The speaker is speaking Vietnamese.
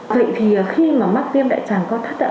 vậy thì khi mà mắc viêm đại tràng con thắt ạ